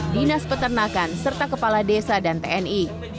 dinas peternakan serta kepala desa dan tni